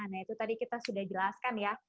nah itu tadi kita sudah jelaskan ya